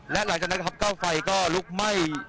และหลังจากนั้นครับเก้าไฟก็ลุกไหม้